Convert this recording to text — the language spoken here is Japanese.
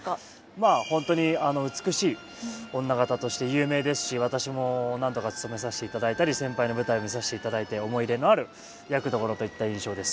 まあ本当に美しい女方として有名ですし私も何度かつとめさせていただいたり先輩の舞台見させていただいて思い入れのある役どころといった印象です。